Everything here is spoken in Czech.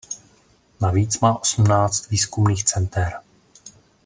Navíc má osmnáct výzkumných center.